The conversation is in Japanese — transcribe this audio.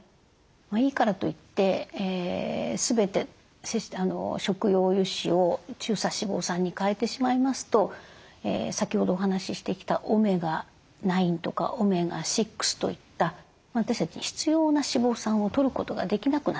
いいからといって全て食用油脂を中鎖脂肪酸に替えてしまいますと先ほどお話ししてきたオメガ９とかオメガ６といった私たちに必要な脂肪酸をとることができなくなってしまいます。